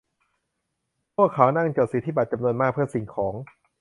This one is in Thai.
พวกเขานั่งจดสิทธิบัตรจำนวนมากเพื่อสิ่งของ